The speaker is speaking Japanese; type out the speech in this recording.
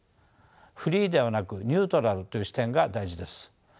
フリーではなくニュートラルという視点が大事です。